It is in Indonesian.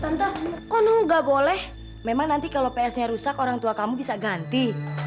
tante kok gak boleh memang nanti kalau ps nya rusak orang tua kamu bisa ganti